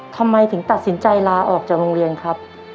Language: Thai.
ทำไมถึงตัดสินใจลาออกจากโรงเรียนครับ